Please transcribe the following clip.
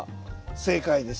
正解です。